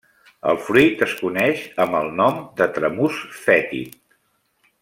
El fruit es coneix amb el nom de tramús fètid.